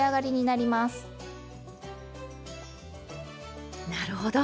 なるほど。